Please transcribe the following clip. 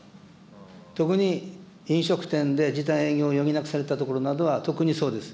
特に、飲食店で時短営業を余儀なくされたところなどは、特にそうです。